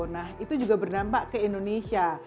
nah itu juga berdampak ke indonesia